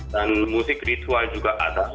dan musik ritual juga ada